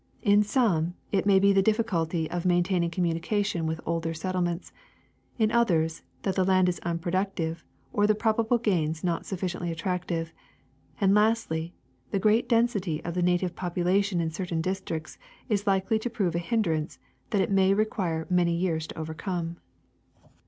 In some, it may be the difficulty of maintaining communication with older settlements ; in others, that the land is unproductive or the probable gains not sufficiently attractive ; and lastly, the great density of the native population in certain districts is likely to prove a hindrance that it may require many years to overcome.